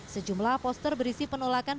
sejumlah poster berisi penolakan